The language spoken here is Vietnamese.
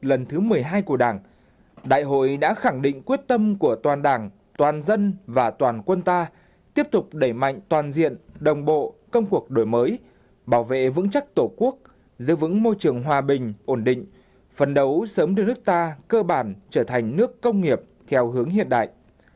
lần thứ một mươi hai của đảng đại hội đã khẳng định quyết tâm của toàn đảng toàn dân và toàn quân ta tiếp tục đẩy mạnh toàn diện đồng bộ công cuộc đổi mới bảo vệ vững chắc tổ quốc giữ vững môi trường hòa bình ổn định phấn đấu sớm đưa nước ta cơ bản trở thành nước công nghiệp theo hướng hiện đại